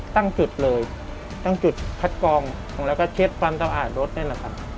ตั้งจุดเลยตั้งจุดคัดกองแล้วก็เช็ดความสะอาดรถนี่แหละครับ